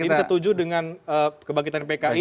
ini setuju dengan kebangkitan pki